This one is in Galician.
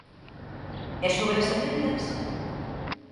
¿E sobre as emendas?